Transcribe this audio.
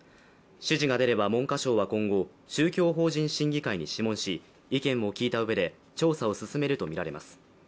指示が出れば、文科省は今後宗教法人審議会に諮問し意見を聞いたうえで調査を進めるとみられます。